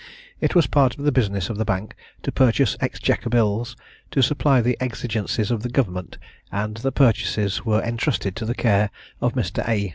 It was a part of the business of the Bank to purchase exchequer bills, to supply the exigencies of government; and the purchases were entrusted to the care of Mr. A.